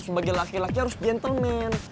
sebagai laki laki harus gentleman